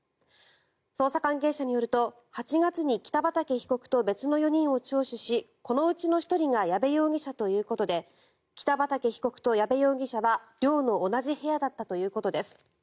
捜査関係者によると８月に北畠被告と別の４人を聴取しこのうちの１人が矢部容疑者ということで北畠被告と矢部容疑者は寮の同じ部屋だったということです。